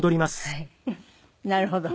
なるほど。